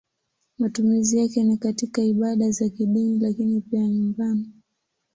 Matumizi yake ni katika ibada za kidini lakini pia nyumbani.